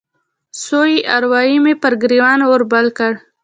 سوي اروا مې پر ګریوان اور بل کړ